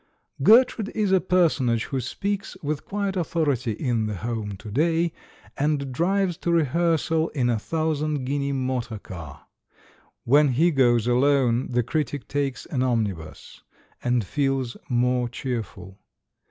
'* Gertrude is a personage who speaks with quiet authority in the home to day, and drives to re hearsal in a thousand guinea motor car. When he goes alone, the critic takes an omnibus, and feels more cheerful.